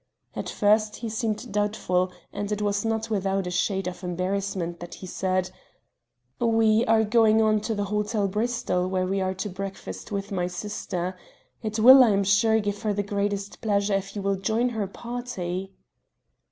At first he seemed doubtful, and it was not without a shade of embarrassment that he said: "We are going on to the Hotel Bristol, where we are to breakfast with my sister. It will, I am sure, give her the greatest pleasure if you will join her party."